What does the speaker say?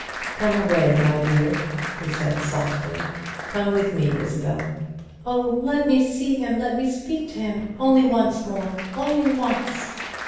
"Come away, my dear," he said softly. "Come with me, Isabel." "Oh, let me see him! let me speak to him! Only once more only once!"